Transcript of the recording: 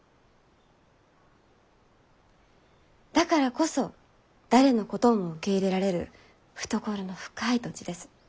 だからこそ誰のことも受け入れられる懐の深い土地です。